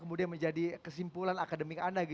kemudian menjadi kesimpulan akademik anda